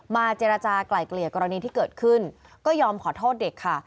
เจรจากลายเกลี่ยกรณีที่เกิดขึ้นก็ยอมขอโทษเด็กค่ะ